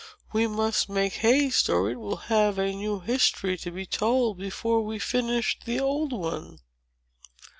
"We must make haste, or it will have a new history to be told before we finish the old one."